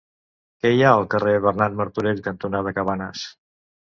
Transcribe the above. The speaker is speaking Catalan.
Què hi ha al carrer Bernat Martorell cantonada Cabanes?